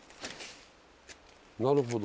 なるほど。